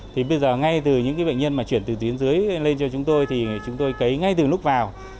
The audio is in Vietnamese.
thì bây giờ ngay từ những bệnh nhân mà chuyển từ tuyến dưới lên cho chúng tôi thì chúng tôi cấy ngay từ lúc vào